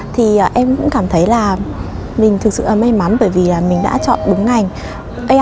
thì em cũng cảm thấy là mình thực sự may mắn bởi vì mình đã chọn đúng ngành